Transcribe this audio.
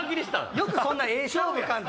よくそんなええ勝負感。